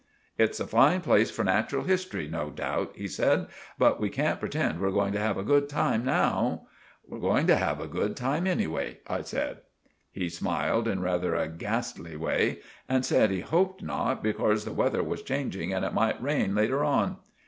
"It's a fine place for natural history no doubt," he said; "but we can't pretend we're going to have a good time now." "We're going to have a long time anyway," I said. He smiled in rather a gastlie way and said he hoped not, becorse the weather was changeing and it might rain later on.